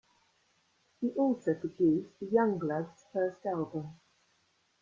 He also produced The Youngbloods' first album.